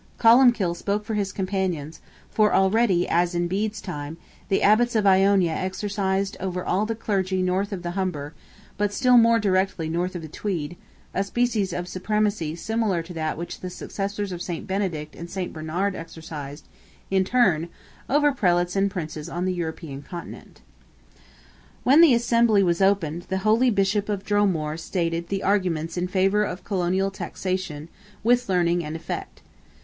Columbkill spoke for his companions; for already, as in Bede's time, the Abbots of Iona exercised over all the clergy north of the Humber, but still more directly north of the Tweed, a species of supremacy similar to that which the successors of St. Benedict and St. Bernard exercised, in turn, over Prelates and Princes on the European Continent. When the Assembly was opened the holy Bishop of Dromore stated the arguments in favour of Colonial taxation with learning and effect.